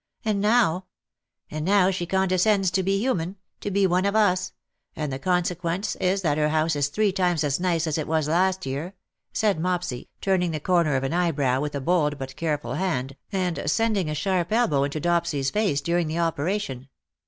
And " And now she condescends to be human — to be one of us — and the consequence is that her house is three times as nice as it was last year,^"* said Mopsy, turning the corner of an eyebrow with a bold but careful hand, and sending a sharp elbow into Dopsy^s face during the operation.